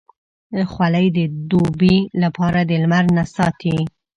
خولۍ د دوبې لپاره د لمر نه ساتي.